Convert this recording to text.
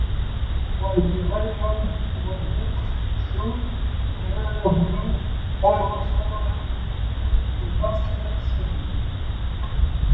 When the railroad was built through, Ganado grew almost overnight into a bustling city.